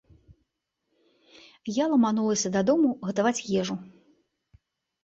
Я ламануліся дадому гатаваць ежу.